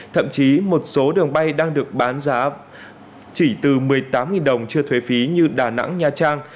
thậm chí một số đường bay đang được bán giá chỉ từ một mươi tám đồng chưa thuê phí như đà nẵng nha trang